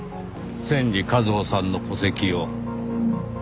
千里一歩さんの戸籍を。